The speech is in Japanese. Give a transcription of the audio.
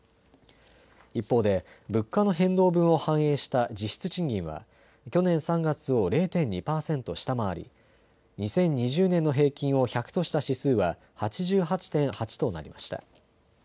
一方で物価の変動分を反映した実質賃金は去年３月を０．２％下回り２０２０年の平均を１００とした指数は８８．８となりました。